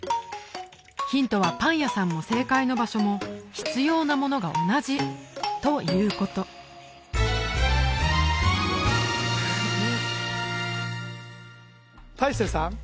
ヒントはパン屋さんも正解の場所も必要なものが同じということ大聖さん